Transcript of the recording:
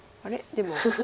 でも。